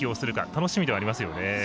楽しみではありますよね。